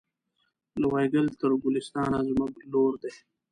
له وایګل تر ګلستانه زموږ لور دی